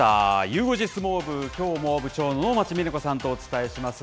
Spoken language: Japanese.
ゆう５時相撲部、きょうも部長の能町みね子さんとお伝えします。